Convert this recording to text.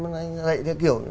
là anh dậy thì kiểu